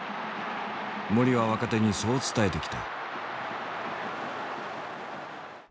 森は若手にそう伝えてきた。